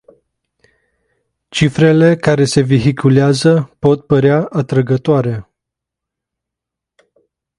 Cifrele care se vehiculează pot părea atrăgătoare.